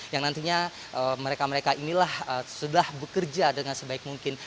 yang nantinya mereka mereka inilah sudah bekerja dengan sebaik mungkin